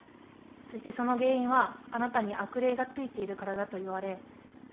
そしてその原因は、あなたに悪霊がついているからだと言われ。